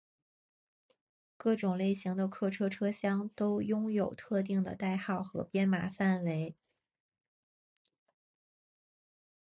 各种类型的客车车厢都拥有特定的代号和编码范围。